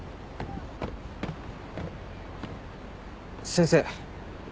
先生。